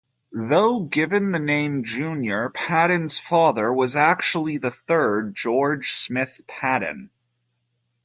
Though given the name Junior, Patton's father was actually the third George Smith Patton.